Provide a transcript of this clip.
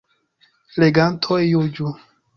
Legantoj juĝu.